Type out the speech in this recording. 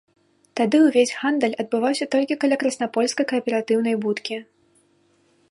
Тады ўвесь гандаль адбываўся толькі каля краснапольскай кааператыўнай будкі.